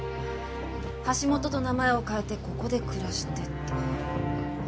橋本と名前を変えてここで暮らしてた。